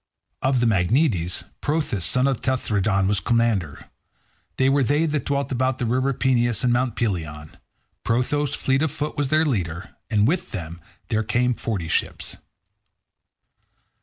Of the Magnetes, Prothous son of Tenthredon was commander. They were they that dwelt about the river Peneus and Mt. Pelion. Prothous, fleet of foot, was their leader, and with him there came forty ships.